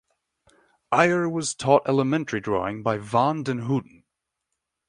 Eyre was taught elementary drawing by van den Houten.